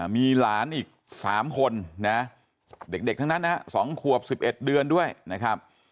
มีหลานอีก๓คนนะเด็กทั้งนั้นนะฮะ๒ขวบ๑๑เดือนด้วยนะครับ